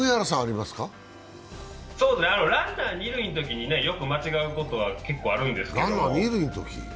ランナー二塁のときによく間違うことはあるんですけど。